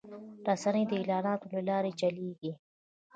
رسنۍ د اعلاناتو له لارې چلېږي